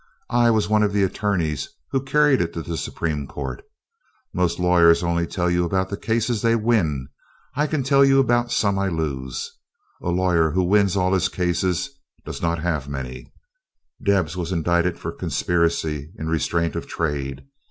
I was one of the attorneys who carried it to the Supreme Court. Most lawyers only tell you about the cases they win. I can tell you about some I lose. A lawyer who wins all his cases does not have many. Debs was indicted for a conspiracy in restraint of trade.